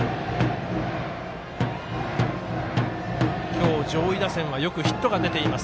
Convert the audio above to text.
今日上位打線はよくヒットが出ています